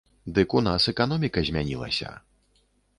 Дык у нас эканоміка змянілася.